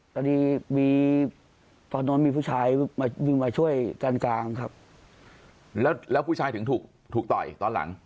ครับตอนนั้นมีผู้ชายวิ่งมาช่วยการกลางครับแล้วผู้ชายถึงถูกต่อยตอนหลัง